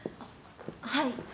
はい。